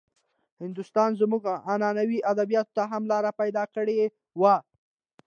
هندوستان زموږ عنعنوي ادبياتو ته هم لاره پيدا کړې وه.